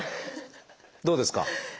どうですか？